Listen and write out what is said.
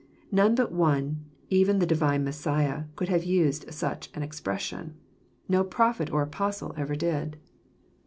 None but One, even the Divine Messiah, could have used such an expres* sion. No prophet or apostle ever did.